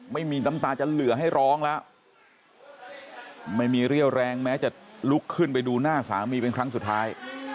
ไม่มีน้ำตาจะเหลือให้ร้องแล้วไม่มีเรี่ยวแรงแม้จะลุกขึ้นไปดูหน้าสามีเป็นครั้งสุดท้าย